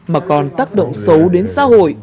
mà còn tác động xấu đến xã hội